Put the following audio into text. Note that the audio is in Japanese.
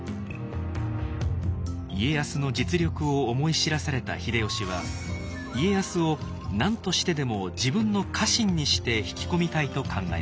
家康の実力を思い知らされた秀吉は家康を何としてでも自分の家臣にして引き込みたいと考えます。